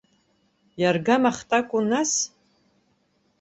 Иаргамахт акәу, нас?